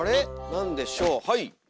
何でしょうはい！